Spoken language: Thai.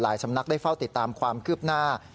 สำนักได้เฝ้าติดตามความคืบหน้า